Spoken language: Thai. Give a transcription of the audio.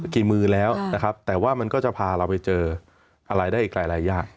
มือแล้วนะครับแต่ว่ามันก็จะพาเราไปเจออะไรได้อีกหลายอย่าง